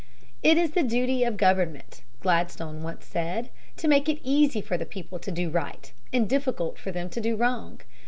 "It is the duty of the government," Gladstone once said, "to make it easy for the people to do right, and difficult for them to do wrong."